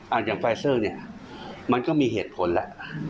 อาจารย์ไฟซ่อมันก็มีเหตุผลละ